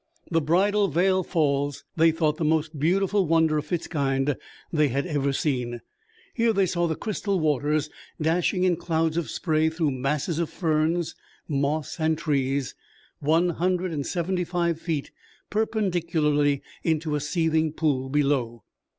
The Bridal Veil Falls they thought the most beautiful wonder of its kind they had ever seen. Here they saw the crystal waters dashing in clouds of spray through masses of ferns, moss and trees, one hundred and seventy five feet perpendicularly into a seething pool below.